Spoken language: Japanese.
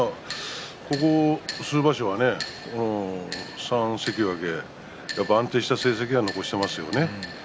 ここ数場所は３関脇安定した成績は残していますね。